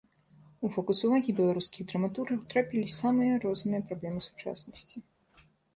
У фокус увагі беларускіх драматургаў трапілі самыя розныя праблемы сучаснасці.